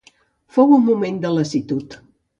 Fou un moment de lassitud.